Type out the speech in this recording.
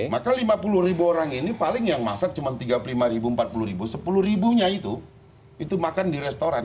maka lima puluh ribu orang ini paling yang masak cuma tiga puluh lima ribu empat puluh ribu sepuluh ribunya itu itu makan di restoran